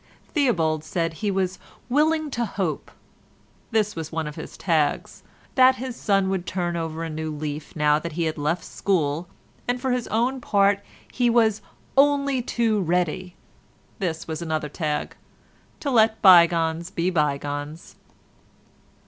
Theobald said he was "willing to hope"—this was one of his tags—that his son would turn over a new leaf now that he had left school, and for his own part he was "only too ready"—this was another tag—to let bygones be bygones.